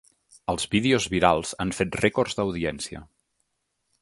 Els vídeos virals han fet rècords d’audiència.